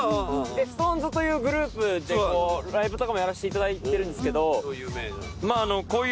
ＳｉｘＴＯＮＥＳというグループでライブとかもやらせていただいてるんですけどまぁこういう。